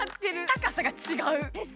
高さが違う！